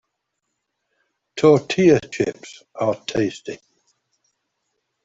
Tortilla chips are tasty.